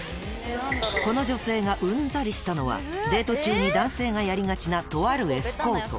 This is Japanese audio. この女性がうんざりしたのはデート中に男性がやりがちなとあるエスコート